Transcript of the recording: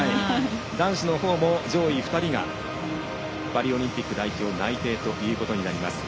男子の方も上位２人がパリオリンピック代表内定ということになります。